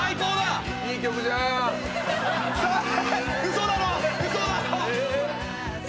嘘だろ⁉嘘だろ